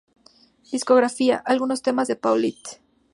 Discografía: Algunos temas de Paulette.